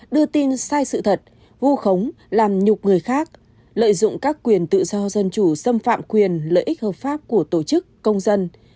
đưa tin sai sự thật vu khống làm nhục người khác lợi dụng các quyền tự do dân chủ xâm phạm quyền lợi ích hợp pháp của tổ chức công dân